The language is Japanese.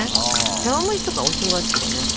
茶わん蒸しとかお正月とかね。